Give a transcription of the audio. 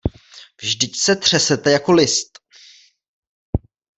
Vždyť se třesete jako list.